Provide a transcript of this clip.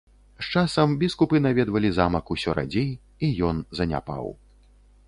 З часам біскупы наведвалі замак ўсё радзей і ён заняпаў.